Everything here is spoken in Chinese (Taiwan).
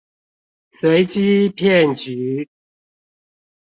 隨機騙局